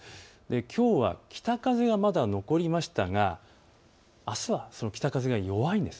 きょうは北風がまだ残りましたがあすは北風が弱いんです。